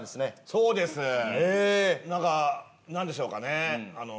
そうです。なんかなんでしょうかねあの。